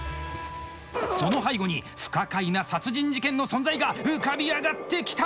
その背後に不可解な殺人事件の存在が浮かび上がってきた。